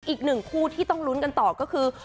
อีกหนึ่งคู่ที่ต้องลุ้นกันต่อก็คือ